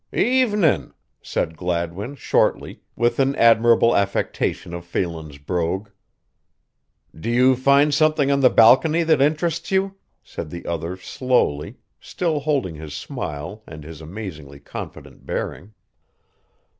"Evenin'!" said Gladwin, shortly, with an admirable affectation of Phelan's brogue. "Do you find something on the balcony that interests you?" said the other slowly, still holding his smile and his amazingly confident bearing.